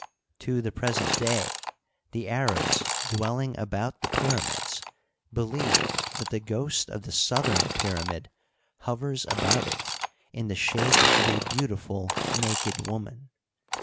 To the present day, the Arabs dwelling about the pyramids believe that the ghost of the southern pyramid hovers about it in the shape of a beau tiful naked woman.